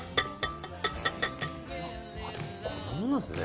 こんなもんなんですね。